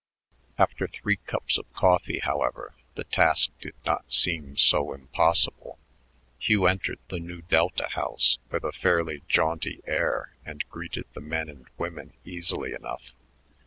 After three cups of coffee, however, the task did not seem so impossible. Hugh entered the Nu Delta house with a fairly jaunty air and greeted the men and women easily enough.